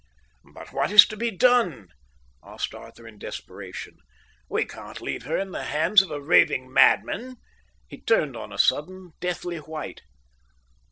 "But what is to be done?" asked Arthur is desperation. "We can't leave her in the hands of a raving madman." He turned on a sudden deathly white.